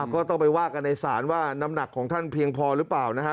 ก็ต้องไปว่ากันในศาลว่าน้ำหนักของท่านเพียงพอหรือเปล่านะฮะ